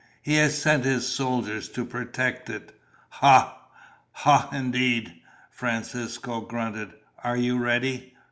He has sent his soldiers to protect it. Ha!" "Ha indeed," Francisco grunted. "Are you ready?"